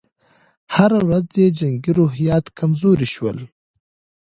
هره ورځ یې جنګي روحیات کمزوري شول.